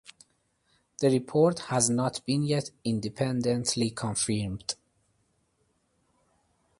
The report has not been yet independently confirmed.